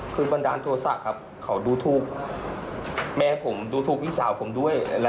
คือบันดาลโทษะครับเขาดูถูกแม่ผมดูถูกพี่สาวผมด้วย